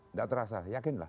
tidak terasa yakin lah